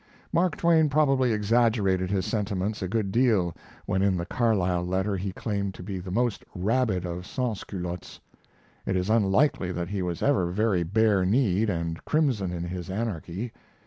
] Mark Twain probably exaggerated his sentiments a good deal when in the Carlyle letter he claimed to be the most rabid of Sansculottes. It is unlikely that he was ever very bare kneed and crimson in his anarchy.